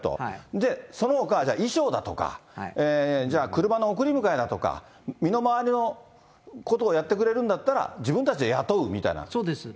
で、そのほか衣装だとか、じゃあ車の送り迎えだとか、身の回りのことをやってくれるんだったら、そうです。